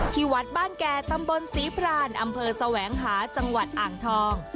ที่วัดบ้านแก่ตำบลศรีพรานอำเภอแสวงหาจังหวัดอ่างทอง